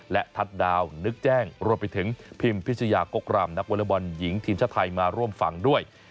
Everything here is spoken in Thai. และทัศน์ดาวนึกแจ้งรวมไปถึงพิมพิชยากกรำนักวอเลอร์บอลหญิงทีมชาติไทยมาร่วมฟังด้วย